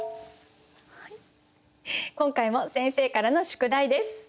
今回も先生からの宿題です。